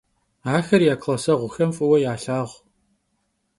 Axer ya klasseğuxem f'ıue yalhağu.